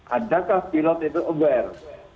adakah pilot itu aware